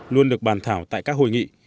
luôn được bàn thảo tại các hội nghị